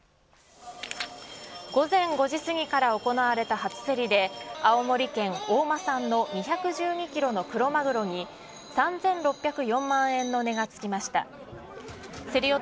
午前５時すぎから行われた初競りで青森県大間産の２１２キロのクロマグロに３６０４万円の値がつきました。